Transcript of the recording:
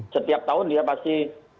setiap tahun dia pasti